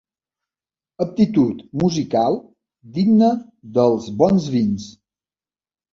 Aptitud musical digna dels bons vins.